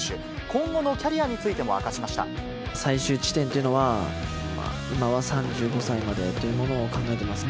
今後のキャリアについても明かし最終地点というのは、今は３５歳までというものを考えています。